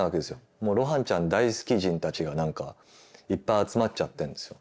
もう露伴ちゃん大好き人たちが何かいっぱい集まっちゃってんですよ。